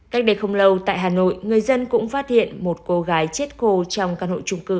cách đây không lâu tại hà nội người dân cũng phát hiện một cô gái chết cô trong căn hộ trung cư